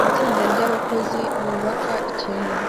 Itsinda ryabakozi bubaka ikintu